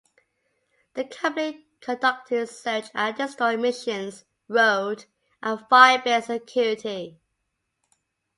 The company conducted search and destroy missions, road and firebase security.